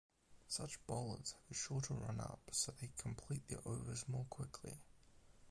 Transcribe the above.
Such bowlers have a shorter run up so they complete their overs more quickly.